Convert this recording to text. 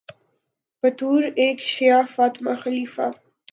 بطور ایک شیعہ فاطمی خلیفہ